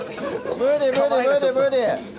無理無理無理無理！